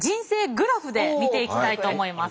グラフで見ていきたいと思います。